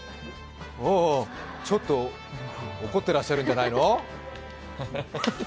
ちょっと怒ってらっしゃるんじゃないの？